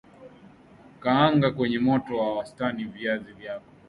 Kaanga kwenye moto wa wastani viazi vyako